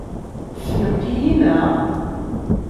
Tessnemt-iyi, naɣ?